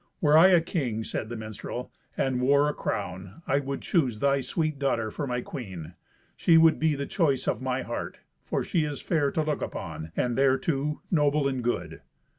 Were I a king," said the minstrel, "and wore a crown, I would choose thy sweet daughter for my queen. She would be the choice of my heart, for she is fair to look upon, and, thereto, noble and good."